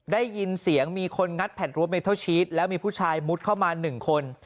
ได้ยินเสียงมีคนงัดแผ่นรถเมเทิลชีสแล้วมีผู้ชายมุดเข้ามา๑คน